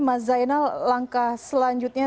mas zainal langkah selanjutnya